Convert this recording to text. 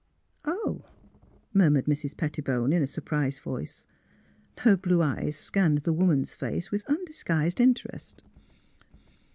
" Oh! " murmured Mrs. Pettibone in a sur prised voice. Her blue eyes scanned the woman's face with undisguised interest.